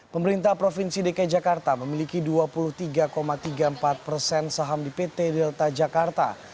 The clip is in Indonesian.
pemerintah provinsi dki jakarta memiliki dua puluh tiga tiga puluh empat persen saham di pt delta jakarta